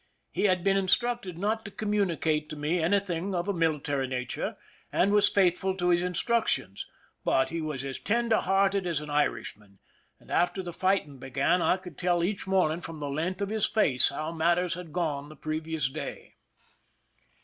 He had been instructed not to communicate to me any thing of a military nature, and was faithful to his instructions; but he was as tender hearted as an Irishman, and after the fighting began, I could tell each morning from the length of his face how matters had gone the previous day.